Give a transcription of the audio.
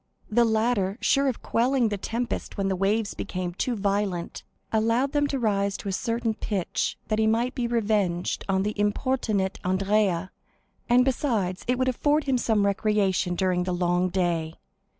The latter, sure of quelling the tempest when the waves became too violent, allowed them to rise to a certain pitch that he might be revenged on the importunate Andrea, and besides it would afford him some recreation during the long day.